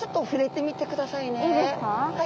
はい。